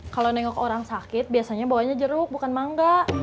kalau nengok orang sakit biasanya bawanya jeruk bukan mangga